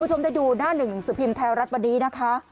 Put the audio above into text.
คุณผู้ชมได้ดูหน้าหนึ่งสภิมธ์แท้รัฐวันนี้นะคะ